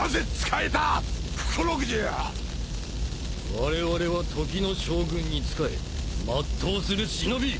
われわれは時の将軍に仕え全うする忍！